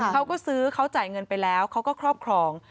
เขาก็ซื้อเขาจ่ายเงินไปแล้วเขาก็ครอบครอง